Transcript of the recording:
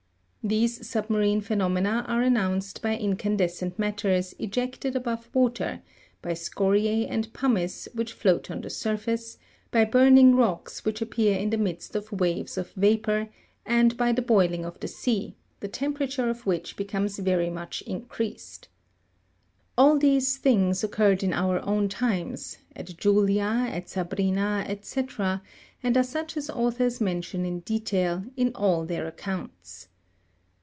These submarine phe nomena are announced by incandescent matters ejected above water ; by scoria? and pumice, which float on the surface ; by burn ing rocks, which appear in the midst of waves of vapour, and by the boiling of the sea, the temperature of which becomes very niuch increased. All these things occurred in our own times, at Julia, at Sabrina, &c., and are such as authors mention in detail, in all their accounts.